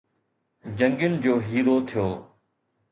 جنگين جو هيرو ٿيو